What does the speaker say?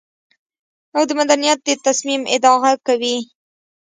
او د مدنيت د تصميم ادعا کوي.